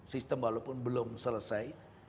sistem walaupun belum selesai